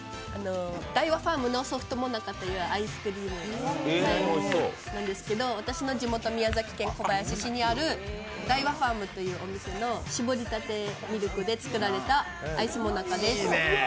ダイワファームのソフトもなかというアイスクリームなんですけど私の地元・宮崎県小林市にあるダイワファームというところの絞りたてミルクで作られたアイスもなかです。